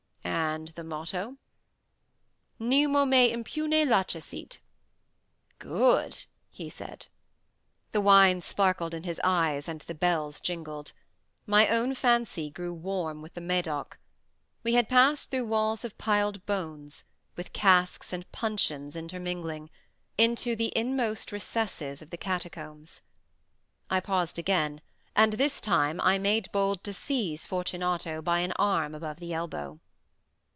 "And the motto?" "Nemo me impune lacessit." "Good!" he said. The wine sparkled in his eyes and the bells jingled. My own fancy grew warm with the Medoc. We had passed through walls of piled bones, with casks and puncheons intermingling, into the inmost recesses of the catacombs. I paused again, and this time I made bold to seize Fortunato by an arm above the elbow.